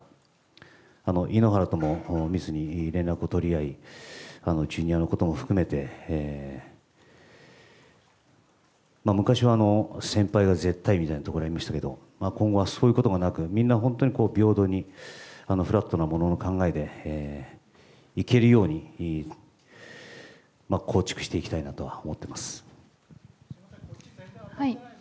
ただ、それを経験していますから、井ノ原とも密に連絡を取り合い、ジュニアのことも含めて、昔は先輩は絶対みたいなところありましたけど、今後はそういうことがなく、みんな本当に、平等にフラットなものの考えでいけるように構築していきたいなとは思っています。